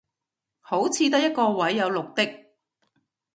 好似得一個位有綠的